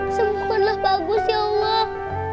semoga bagus ya allah